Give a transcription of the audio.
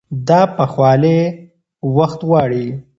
دا پخوالی وخت غواړي.